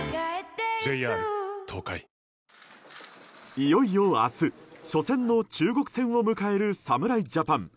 いよいよ明日、初戦の中国戦を迎える侍ジャパン。